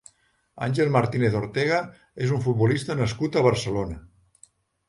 Ángel Martínez Ortega és un futbolista nascut a Barcelona.